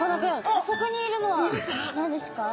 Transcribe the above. あそこにいるのは何ですか？